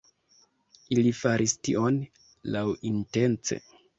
Ili faris tion laŭintence.